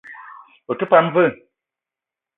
Ou te pam vé?